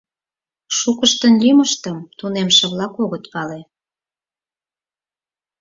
Шукыштын лӱмыштым тунемше-влак огыт пале.